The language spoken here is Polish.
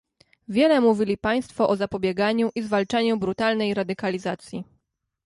Wiele mówili państwo o zapobieganiu i zwalczaniu brutalnej radykalizacji